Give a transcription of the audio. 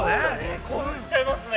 ◆興奮しちゃいますね。